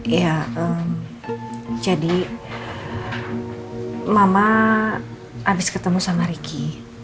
iya jadi mama habis ketemu sama ricky